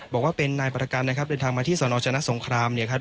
บอกว่าเป็นนายประกันนะครับเดินทางมาที่สนชนะสงครามเนี่ยครับ